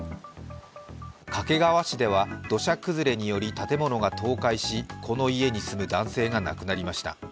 掛川市では、土砂崩れにより建物が倒壊しこの家に住む男性が亡くなりました。